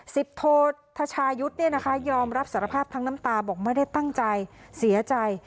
สิบโทษทชายุทธ์เนี่ยนะคะยอมรับสารภาพทั้งน้ำตาบอกไม่ได้ตั้งใจเสียใจ